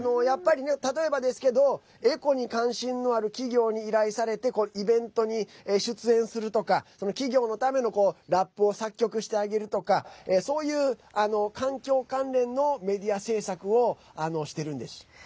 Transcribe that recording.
例えばですけどエコに関心のある企業に依頼されてイベントに出演するとか企業のためのラップを作曲してあげるとかそういう環境関連のメディア制作をしてるんです。